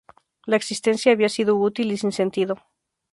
La existencia había sido inútil y sin sentido.